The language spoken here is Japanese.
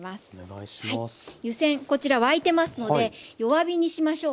湯煎こちら沸いてますので弱火にしましょう。